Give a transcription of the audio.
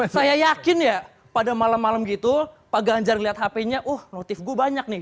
saya yakin ya pada malam malam gitu pak ganjar lihat hp nya uh notif gue banyak nih